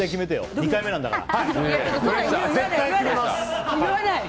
２回目なんだから。